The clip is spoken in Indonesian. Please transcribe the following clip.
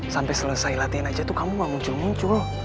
sampai selesai latihan aja tuh kamu gak muncul muncul